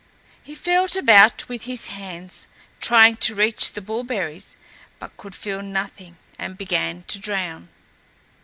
He felt about with his hands trying to reach the bullberries, but could feel nothing and began to drown.